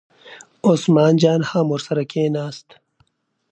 عثمان جان هم ورسره کېناست.